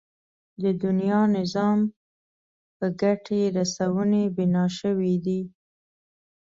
د دنيا نظام په ګټې رسونې بنا شوی دی.